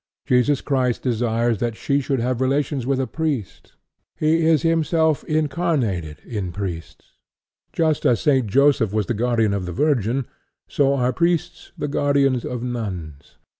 Jesus Christ desires that she should have relations with a priest; he is himself incarnated in priests; just as St. Joseph was the guardian of the Virgin, so are priests the guardians of nuns.